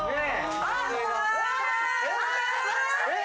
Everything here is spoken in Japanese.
あっ！